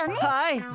はい！